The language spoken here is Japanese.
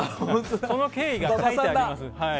その経緯が書いてあります。